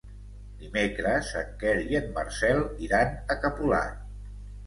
Dimecres en Quer i en Marcel iran a Capolat.